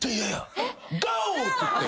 「ゴー！」って言って。